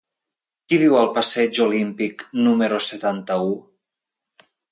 Qui viu al passeig Olímpic número setanta-u?